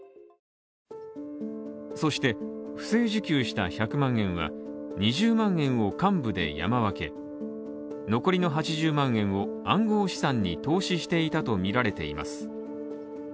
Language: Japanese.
そして不正受給した１００万円は２０万円を幹部で山分け残りの８０万円を暗号資産に投資していたとみられています。